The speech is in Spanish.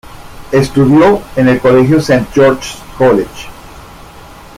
Estudió en el Colegio Saint George's College.